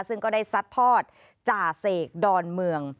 ซึ่งก็ได้ซัดทอดจ่าเสกดอนเมือง